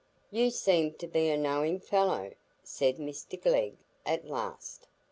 "You seem to be a knowing fellow," said Mr Glegg, at last.